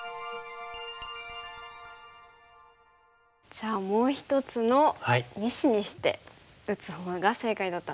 じゃあもう一つの２子にして打つほうが正解だったんですね。